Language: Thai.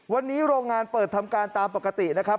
วันนี้โรงงานเปิดทำการตามปกตินะครับ